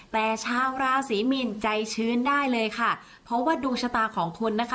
แต่ชาวราศรีมีนใจชื้นได้เลยค่ะเพราะว่าดวงชะตาของคุณนะคะ